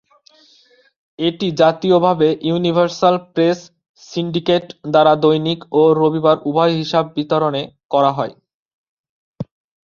এটি জাতীয়ভাবে Universal Press Syndicate দ্বারা দৈনিক এবং রবিবার উভয় হিসাবে বিতরণ করা হয়।